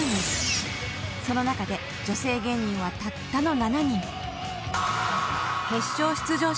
［その中で女性芸人はたったの］